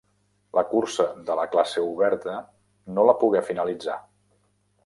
La cursa de la classe oberta no la pogué finalitzar.